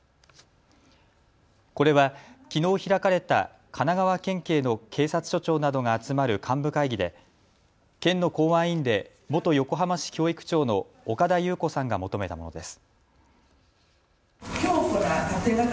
これはきのう開かれた神奈川県警の警察署長などが集まる幹部会議で県の公安委員で元横浜市教育長の岡田優子さんが求めたものです。